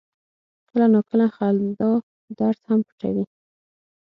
کله ناکله خندا درد هم پټوي.